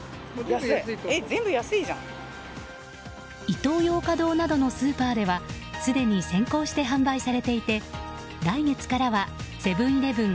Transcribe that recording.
イトーヨーカドーなどのスーパーではすでに先行して販売されていて来月からはセブン‐イレブン